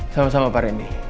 selamat malam pak randy